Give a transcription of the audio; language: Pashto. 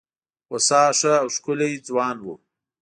هوسا ښه او ښکلی ځوان وو.